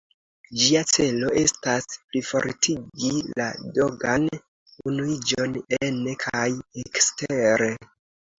Ĝia celo estas plifortigi la dogan-unuiĝon ene kaj ekstere.